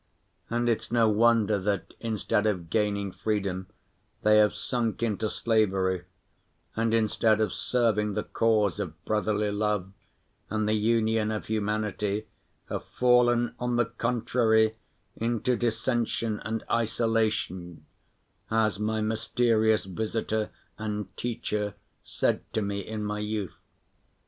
And it's no wonder that instead of gaining freedom they have sunk into slavery, and instead of serving the cause of brotherly love and the union of humanity have fallen, on the contrary, into dissension and isolation, as my mysterious visitor and teacher said to me in my youth.